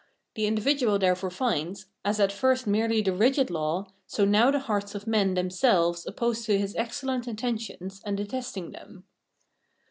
The individual therefore finds, as at first merely the rigid law, so now the hearts of men themselves opposed to his excellent intentions, and detesting them.